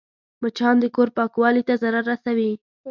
مچان د کور پاکوالي ته ضرر رسوي